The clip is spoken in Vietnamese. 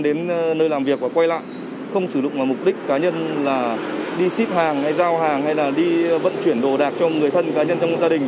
đến nơi làm việc và quay lại không sử dụng vào mục đích cá nhân là đi ship hàng hay giao hàng hay là đi vận chuyển đồ đạc cho người thân cá nhân trong gia đình